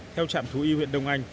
theo trạm thú y huyện đồng